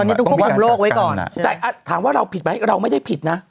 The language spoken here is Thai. อันนี้ต้องควบคุมโรคไว้ก่อนแต่ถามว่าเราผิดไหมเราไม่ได้ผิดนะ